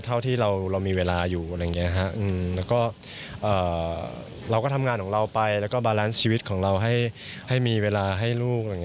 เท่าที่เรามีเวลาอยู่เราก็ทำงานของเราไปแล้วก็บารันซ์ชีวิตของเราให้มีเวลาให้ลูก